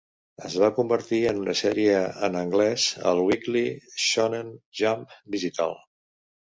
Es va convertir en una sèrie en anglès al "Weekly Shonen Jump" digital.